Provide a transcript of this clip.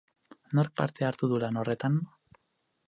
Nork parte hartu du lan horretan?